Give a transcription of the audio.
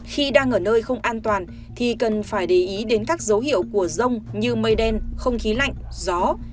khi đang ở nơi không an toàn thì cần phải để ý đến các dấu hiệu của rông như mây đen không khí lạnh gió